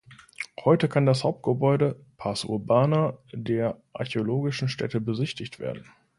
Heute kann das Hauptgebäude (pars urbana) der archäologischen Stätte besichtigt werden.